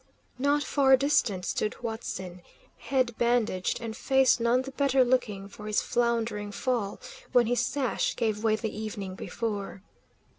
Not far distant stood Huatzin, head bandaged and face none the better looking for his floundering fall when his sash gave way the evening before.